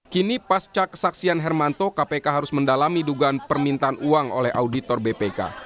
kini pasca kesaksian hermanto kpk harus mendalami dugaan permintaan uang oleh auditor bpk